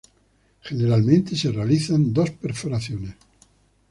Generalmente se realizan dos perforaciones.